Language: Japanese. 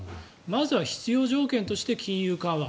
まずは必要条件として金融緩和。